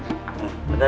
gelap gelap ya allah